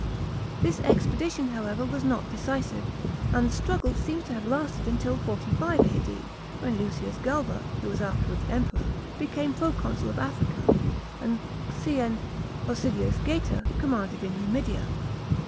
This expedition, however, was not decisive, and the struggle seems to have lasted until 45 A.D., when Lucius Galba (who was afterwards Emperor) became proconsul of Africa, and Cn. Hosidius Geta commanded in Numidia.